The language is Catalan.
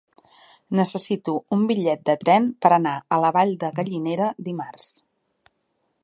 Necessito un bitllet de tren per anar a la Vall de Gallinera dimarts.